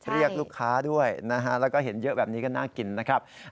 เรียกลูกค้าด้วยนะฮะแล้วก็เห็นเยอะแบบนี้ก็น่ากินนะครับ